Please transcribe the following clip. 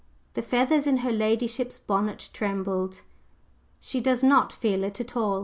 The feathers in her ladyship's bonnet trembled. "She does not feel it at all!"